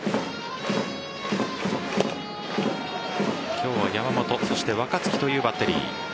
今日は山本そして若月というバッテリー。